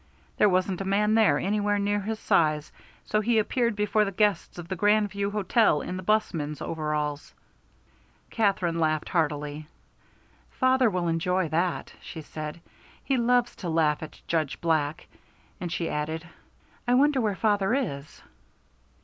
There wasn't a man there anywhere near his size, so he appeared before the guests of the Grand View Hotel in the 'bus man's overalls." Katherine laughed heartily. "Father will enjoy that," she said. "He loves to laugh at Judge Black." And she added, "I wonder where father is."